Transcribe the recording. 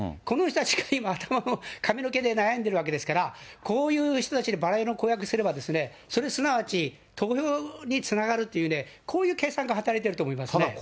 この人たちが今、頭の髪の毛で悩んでるわけですから、こういう人たちにばら色の公約をすれば、それすなわち、得票につながるという、こういう計算が働いていると思いますね。